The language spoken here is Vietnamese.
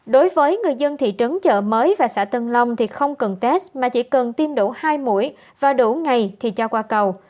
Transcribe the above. đối với người dân thị trấn chợ mới và xã tân long thì không cần test mà chỉ cần tiêm đủ hai mũi và đủ ngày thì cho qua cầu